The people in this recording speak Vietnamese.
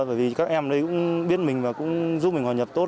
và các em đây cũng biết mình và giúp mình hòa nhập tốt